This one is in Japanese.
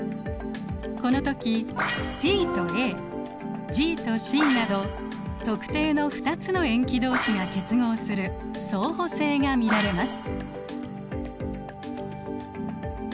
この時ＴとＡＧとＣなど特定の２つの塩基同士が結合する相補性が見られます。